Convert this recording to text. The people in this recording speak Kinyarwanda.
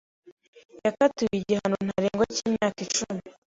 Yakatiwe igihano ntarengwa cy'imyaka icumi.